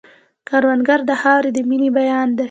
کروندګر د خاورې د مینې بیان دی